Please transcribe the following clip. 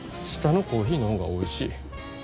下のコーヒーの方がおいしい。